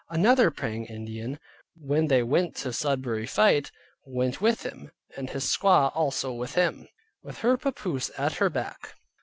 Another Praying Indian, when they went to Sudbury fight, went with them, and his squaw also with him, with her papoose at her back.